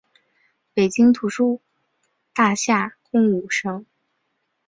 北京图书大厦共五层。